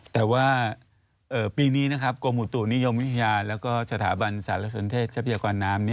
แต่ว่าปีนี้นะครับกรมอุตุนิยมวิทยาแล้วก็สถาบันสารสนเทศทรัพยากรน้ำ